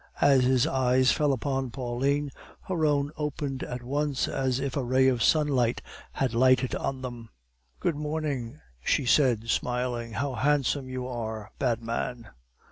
As his eyes fell upon Pauline, her own opened at once as if a ray of sunlight had lighted on them. "Good morning," she said, smiling. "How handsome you are, bad man!"